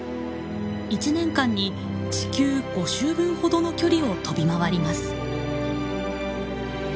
１年間に地球５周分ほどの距離を飛び回ります。